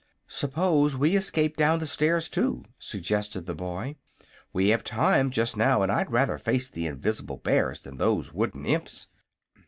"Suppose we escape down the stairs, too," suggested the boy. "We have time, just now, and I'd rather face the invis'ble bears than those wooden imps."